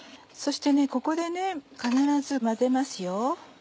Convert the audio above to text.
そしてここで必ず混ぜますよ。